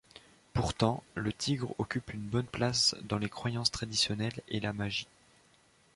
Pourtant, le tigre occupe une bonne place dans les croyances traditionnelles et la magie.